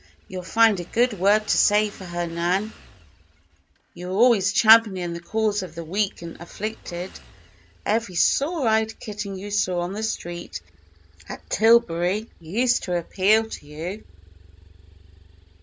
You'll find a good word to say for her, Nan. You always champion the cause of the weak and afflicted. Every sore eyed kitten you saw on the street at Tillbury used to appeal to you."